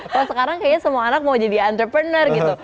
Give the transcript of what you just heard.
kalau sekarang kayaknya semua anak mau jadi entrepreneur gitu